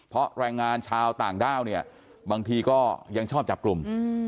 เพราะแรงงานชาวต่างด้าวเนี่ยบางทีก็ยังชอบจับกลุ่ม